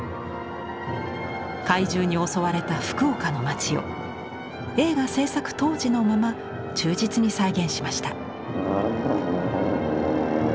怪獣に襲われた福岡の街を映画製作当時のまま忠実に再現しました。